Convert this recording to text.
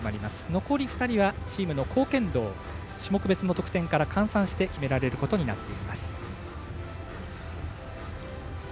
残り２人はチームの貢献度を種目別の得点から換算して決められることになっています。